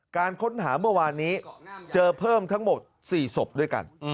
การค้นหาเมื่อวานนี้เจอเพิ่มทั้งหมด๔ศพด้วยกัน